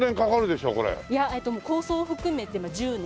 いや構想を含めて１０年。